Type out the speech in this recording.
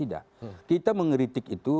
tidak kita mengeritik itu